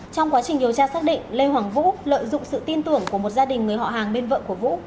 trong quá trình điều tra xác định lê hoàng vũ lợi dụng sự tin tưởng của một gia đình người họ hàng bên vợ của vũ